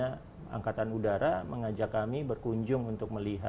jadi misalnya angkatan udara mengajak kami berkunjung untuk melihat